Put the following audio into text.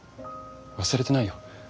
忘れてないよ。